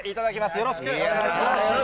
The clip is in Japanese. よろしくお願いします。